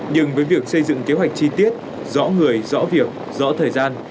nhưng với việc xây dựng kế hoạch chi tiết rõ người rõ việc rõ thời gian